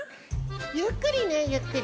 ゆっくりねゆっくり。